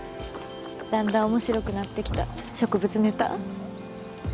だんだん面白くなってきた植物ネタ。